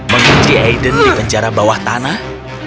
mengunci aiden di penjara bawah tanah